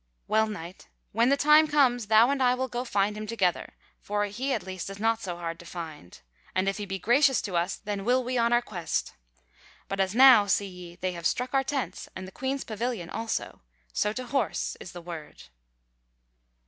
Well, knight, when the time comes, thou and I will go find him together, for he at least is not hard to find, and if he be gracious to us, then will we on our quest. But as now, see ye, they have struck our tents and the Queen's pavilion also; so to horse, is the word."